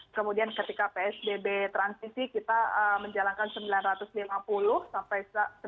kemudian ketika psbb transisi kita menjalankan sembilan ratus lima puluh sampai sembilan ratus enam puluh